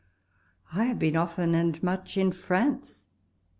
I have been often and much in France.